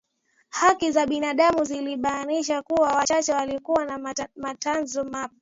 haki za binadamu zilibainisha kuwa wachache walikuwa na mtazamo mpana